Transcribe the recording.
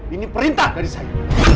ini perintah dari saya